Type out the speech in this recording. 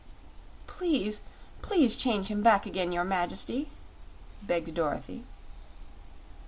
"Please, PLEASE change him back again, your Majesty!" begged Dorothy.